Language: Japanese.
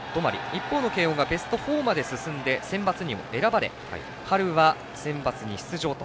一方の慶応がベスト４まで進んでセンバツにも選ばれ春はセンバツに出場と。